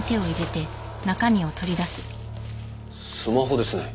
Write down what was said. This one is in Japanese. スマホですね。